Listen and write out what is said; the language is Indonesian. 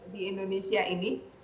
di indonesia ini